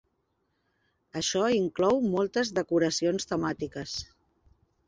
Això inclou moltes decoracions temàtiques.